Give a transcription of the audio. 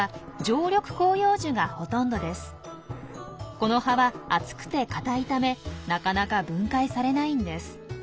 この葉は厚くて硬いためなかなか分解されないんです。